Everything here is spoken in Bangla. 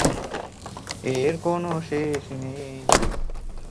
এর কোন শেষ নেই।